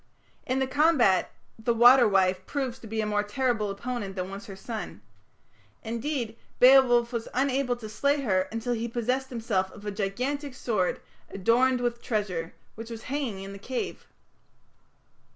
In the combat the "water wife" proves to be a more terrible opponent than was her son. Indeed, Beowulf was unable to slay her until he possessed himself of a gigantic sword, "adorned with treasure", which was hanging in the cave.